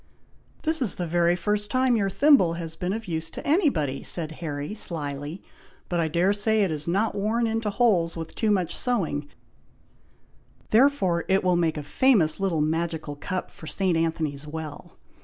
"This is the very first time your thimble has been of use to anybody!" said Harry, slyly; "but I dare say it is not worn into holes with too much sewing, therefore it will make a famous little magical cup for St. Anthony's Well.